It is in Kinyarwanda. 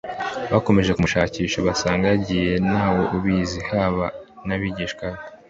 . Bakomeje kumushakisha, basanga yagiye ntawe ubizi haba n’abigishwa be